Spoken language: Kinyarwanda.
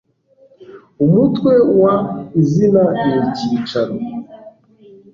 umutwe wa izina n icyicaro